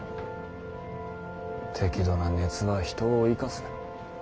適度な熱は人を生かす。